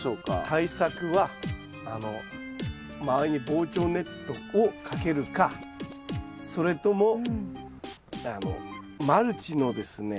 対策はあの周りに防鳥ネットをかけるかそれともあのマルチのですね